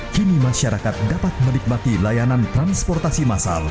kini masyarakat dapat menikmati layanan transportasi masal